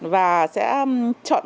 và sẽ chọn